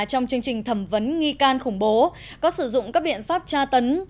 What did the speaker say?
trong chương trình thẩm vấn nghi can khủng bố có sử dụng các biện pháp tra tấn